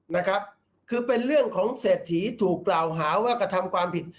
นะครับคือเป็นเรื่องของเศรษฐีถูกกล่าวหาว่ากระทำความผิด